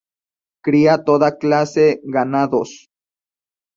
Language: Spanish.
Cría toda clase ganados.